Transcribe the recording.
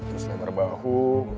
terus lebar bahu